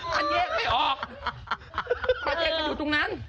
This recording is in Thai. มันแยกไม่อยู่ตรงนั้น